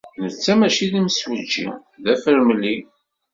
Netta maci d imsujji, d afremli.